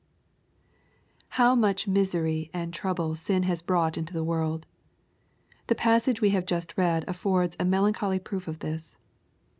How much misery and trouble Bin has brought into the world 1 The passage we have just read affords a mel ancholy proof of this.